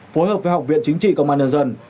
phối hợp với học viện chính trị công an nhân dân